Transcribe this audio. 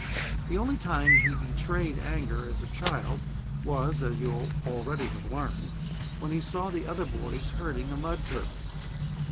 The only time he betrayed anger as a child was, as you already have learned, when he saw the other boys hurting a mud turtle.